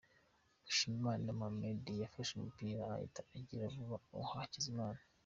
, Mushimiyimana Mohammed yafashe umupira ahita agira vuba awuha Hakizimana.